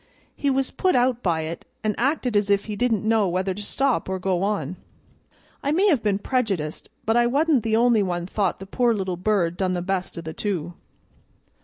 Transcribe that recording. He was put out by it, an' acted as if he didn't know whether to stop or go on. I may have been prejudiced, but I wa'n't the only one thought the poor little bird done the best of the two."